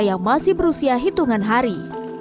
yang masih berusia hitungan hari